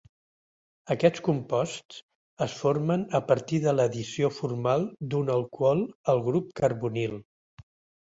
Aquests composts es formen a partir de l'addició formal d'un alcohol al grup carbonil.